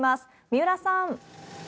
三浦さん。